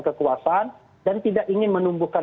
kekuasaan dan tidak ingin menumbuhkan